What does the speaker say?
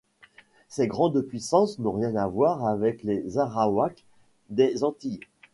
Ces grandes puissances n'ont rien à voir avec les Arawaks des Antilles.